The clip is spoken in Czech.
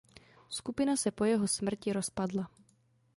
Skupina se po jeho smrti rozpadla.